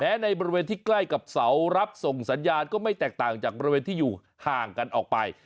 และในบริเวณที่ใกล้กับเสารับส่งสัญญาณก็ไม่แตกต่างจากบริเวณที่อยู่ห่างกันออกไป